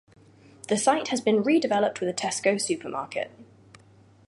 The site has been redeveloped with a Tesco supermarket.